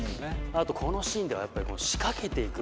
あとこのシーンではやっぱり仕掛けていく。